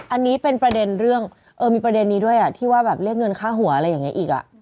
อันนี้เป็นประเด็นเรื่องมีประเด็นนี้ด้วยที่ว่าแบบเรียกเงินค่าหัวอะไรอย่างนี้อีก